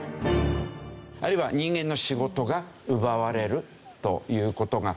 あるいは人間の仕事が奪われるという事がある。